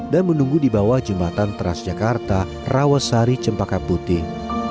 dan menunggu di bawah jembatan teras jakarta rawasari cempaka putih